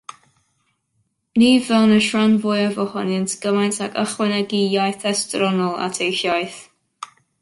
Ni fynn y rhan fwyaf ohonynt gymaint ag ychwanegu iaith estronol at eu hiaith.